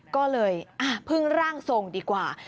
ก็เลยพึ่งร่างทรงดีกว่า